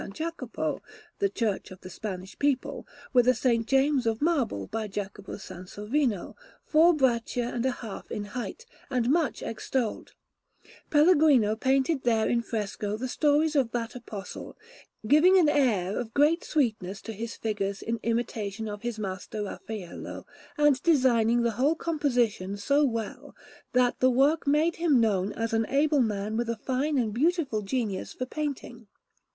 Jacopo, the Church of the Spanish people, with a S. James of marble by Jacopo Sansovino, four braccia and a half in height, and much extolled, Pellegrino painted there in fresco the stories of that Apostle, giving an air of great sweetness to his figures in imitation of his master Raffaello, and designing the whole composition so well, that the work made him known as an able man with a fine and beautiful genius for painting.